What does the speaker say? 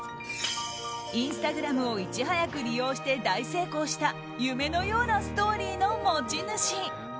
インスタグラムをいち早く利用して大成功した夢のようなストーリーの持ち主。